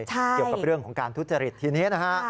ใช่โดยการทุธศรีททีนี้นะค่ะ